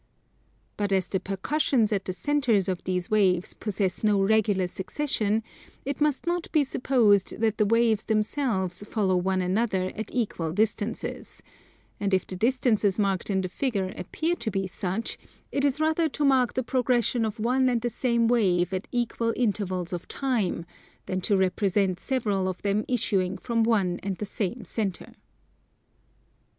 But as the percussions at the centres of these waves possess no regular succession, it must not be supposed that the waves themselves follow one another at equal distances: and if the distances marked in the figure appear to be such, it is rather to mark the progression of one and the same wave at equal intervals of time than to represent several of them issuing from one and the same centre.